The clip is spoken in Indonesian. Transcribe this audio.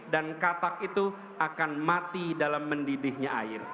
dan katak itu akan mati dalam mendidihnya air